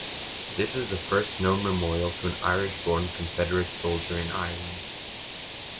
This is the first known memorial to an Irish-born Confederate soldier in Ireland.